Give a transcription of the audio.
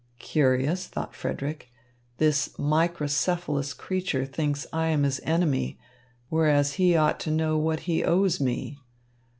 "Curious," thought Frederick. "This microcephalous creature thinks I am his enemy, whereas he ought to know what he owes me.